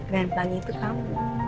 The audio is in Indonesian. dan pelangi itu kamu